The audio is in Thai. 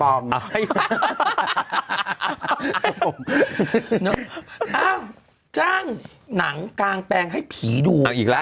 อ้าวจ้างหนังกางแปลงให้ผีดูเอาอีกแล้ว